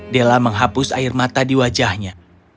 della menghapus air mata di wajahnya